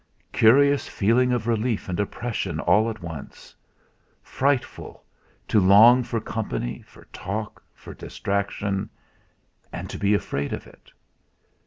Curious feeling of relief and oppression all at once! Frightful to long for company, for talk, for distraction; and to be afraid of it!